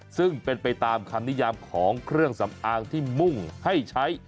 ซึ่งเป็นไปตามคำนิยามของเครื่องสำอางที่มุ่งให้ใช้